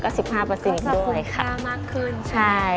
ก็จะคุ้มค่ามากขึ้นใช่ไหม